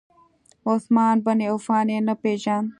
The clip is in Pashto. عثمان بن عفان یې نه پیژاند.